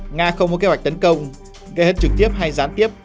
nga không có kế hoạch tấn công gây hất trực tiếp hay gián tiếp